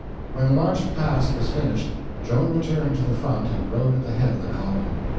When the march past was finished, Joan returned to the front and rode at the head of the column.